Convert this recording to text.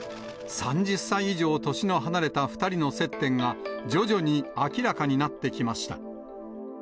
３０歳以上年の離れた２人の接点が、徐々に明らかになってきました。